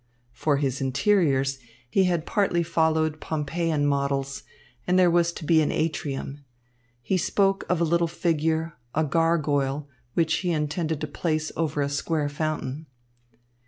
For his interiors, he had partly followed Pompeian models, and there was to be an atrium. He spoke of a little figure, a gargoyle, which he intended to place over a square fountain.